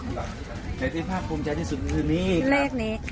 ในที่ภาคโพรมใจที่สุดลืมคืนนี่ครับ